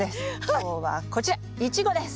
今日はこちらイチゴです。